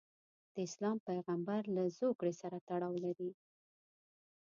د اسلام پیغمبرله زوکړې سره تړاو لري.